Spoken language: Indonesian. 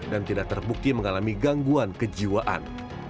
dan tidak terbukti mengalami gangguan kejiwaan